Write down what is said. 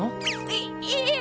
いいえ！